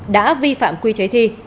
đã vi phạm quy chế thi